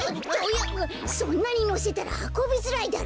そんなにのせたらはこびづらいだろ！